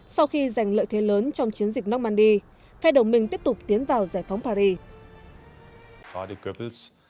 sau khi giành lợi thế lớn trong chiến dịch normandy phe đồng minh tiếp tục tiến vào giải phóng paris